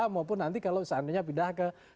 dua maupun nanti kalau seandainya pindah ke satu